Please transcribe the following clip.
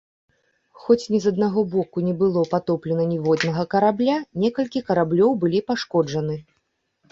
Хоць ні з аднаго боку не было патоплена ніводнага карабля, некалькі караблёў былі пашкоджаны.